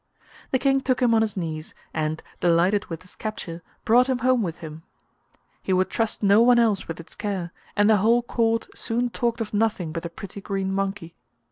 The King took him on his knees, and, delighted with his capture, brought him home with him. He would trust no one else with its care, and the whole Court soon talked of nothing but the pretty green monkey.